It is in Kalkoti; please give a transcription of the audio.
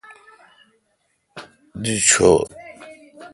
دی ڄور۔